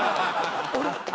俺？